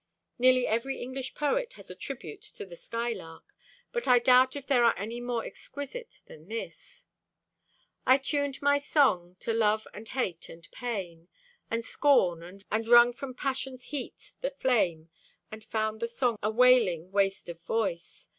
Nearly every English poet has a tribute to the Skylark, but I doubt if there are many more exquisite than this: I tuned my song to love and hate and pain And scorn, and wrung from passion's heat the flame, And found the song a wailing waste of voice.